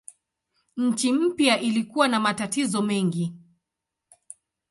Nchi mpya ilikuwa na matatizo mengi.